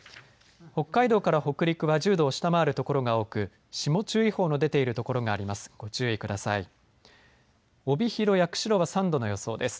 北海道から北陸は１０度を下回る所が多く霜注意報の出ている所があります。